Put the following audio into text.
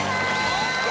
ＯＫ！